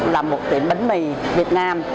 làm một tiệm bánh mì việt nam